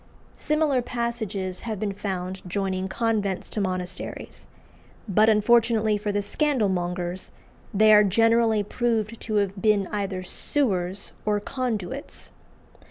Similar passages have been found joining convents to monasteries; but, unfortunately for the scandalmongers, they are generally proved to have been either sewers or conduits.